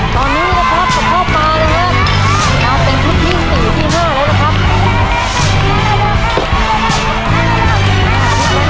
ตอนนี้นะครับประโยชน์มานะครับมาเป็นชุดที่สี่ที่ห้าแล้วนะครับ